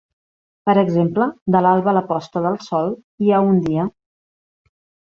Per exemple, de l'alba a la posta del sol hi ha un dia.